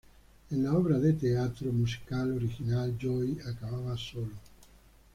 En la obra de teatro musical original Joey acababa solo.